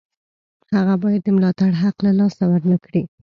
هغه باید د ملاتړ حق له لاسه ورنکړي.